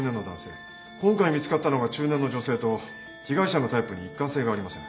今回見つかったのが中年の女性と被害者のタイプに一貫性がありません。